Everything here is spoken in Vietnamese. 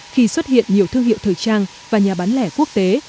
khi xuất hiện nhiều thương hiệu thời trang và nhà bán lẻ quốc tế